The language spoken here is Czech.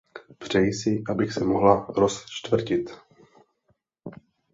Přeji si, abych se mohla rozčtvrtit?